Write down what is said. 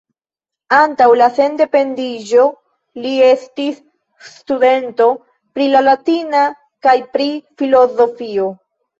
Antaŭ la sendependiĝo, li estis studento pri la latina kaj pri filozofio.